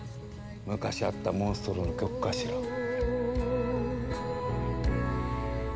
昔会ったモンストロの曲かしら？